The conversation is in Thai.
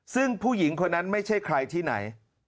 ซึ่งผู้หญิงคนนั้นไม่ใช่ใครที่ไหน